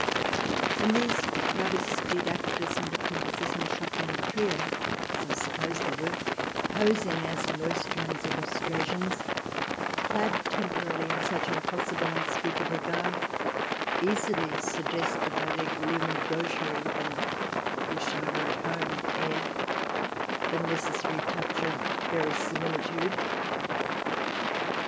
And these travestied actors and apprentices and shopmen of Trier, as I suppose they were, posing as Neustrians and Austrasians, clad temporarily in such impossible, unspeakable garb, easily suggested by their gloom and gaucherie and " wish I were at home " air the necessary touch of verisimilitude.